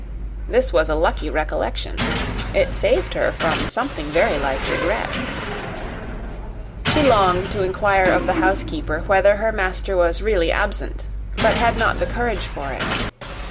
This was a lucky recollection it saved her from something like regret. She longed to inquire of the housekeeper whether her master were really absent, but had not courage for it.